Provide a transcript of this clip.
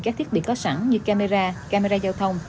các thiết bị có sẵn như camera giao thông